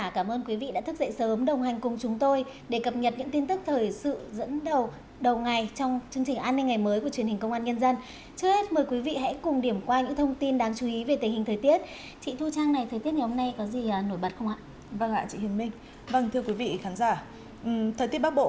chào mừng quý vị đến với bộ phim thời tiết bắc bộ